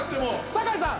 酒井さん。